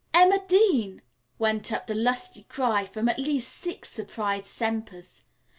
"Emma Dean!" went up the lusty cry from at least six surprised Sempers.